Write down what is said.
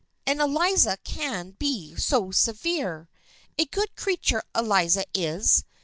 And Eliza can be so severe ! A good creature, Eliza is.